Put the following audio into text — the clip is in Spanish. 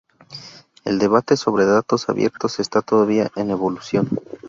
El debate sobre Datos abiertos está todavía en evolución.